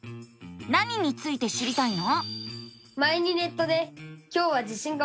何について知りたいの？